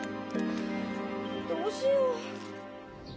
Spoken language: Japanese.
どうしよう。